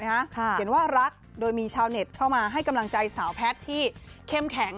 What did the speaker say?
เห็นว่ารักโดยมีชาวเน็ตเข้ามาให้กำลังใจสาวแพทย์ที่เข้มแข็ง